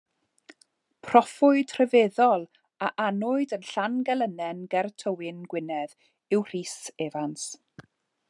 Proffwyd rhyfeddol a anwyd yn Llangelynnin ger Tywyn, Gwynedd yw Rhys Evans.